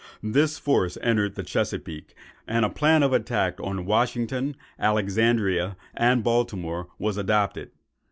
This force entered the Chesapeake, and a plan of attack on Washington, Alexandria, and Baltimore, was adopted.